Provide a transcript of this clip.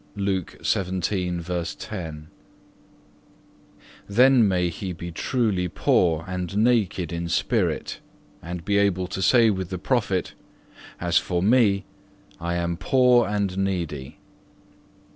(1) Then may he be truly poor and naked in spirit, and be able to say with the Prophet, As for me, I am poor and needy.